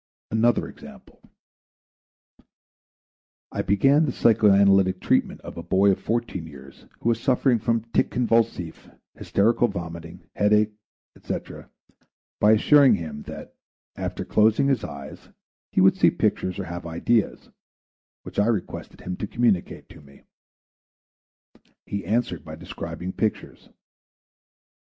Another example: I began the psychoanalytic treatment of a boy of fourteen years who was suffering from tic convulsif, hysterical vomiting, headache, &c., by assuring him that, after closing his eyes, he would see pictures or have ideas, which I requested him to communicate to me. He answered by describing pictures.